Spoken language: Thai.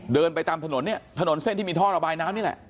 เดินไปตามถนนเนี่ยถนนเส้นที่มีท่อระบายน้ำนี่แหละ